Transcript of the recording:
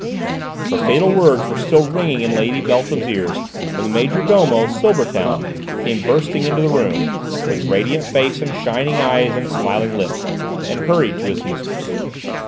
The fatal words were still ringing in Lady Beltham's ears when the major domo, Silbertown, came bursting into the room, with radiant face and shining eyes and smiling lips, and hurried to his mistress.